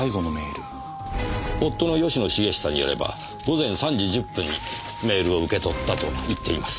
夫の吉野茂久によれば午前３時１０分にメールを受け取ったと言っています。